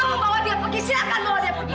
kamu bawa dia pergi silahkan bawa dia pergi